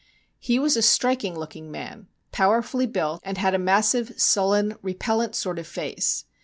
He was a striking looking man, power fully built, and had a massive, sullen, repellent sort of face.